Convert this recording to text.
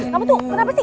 ngapain tuh kenapa sih